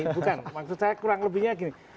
bukan maksud saya kurang lebihnya gini